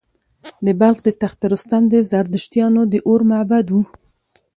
د بلخ د تخت رستم د زردشتیانو د اور معبد و